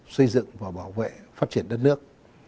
xây dựng và bảo vệ phát triển đất nước